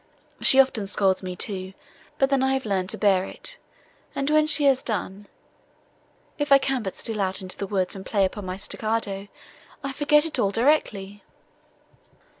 She often scolds me, too, but then I have learned to bear it, and, when she has done, if I can but steal out into the woods, and play upon my sticcado, I forget it all directly."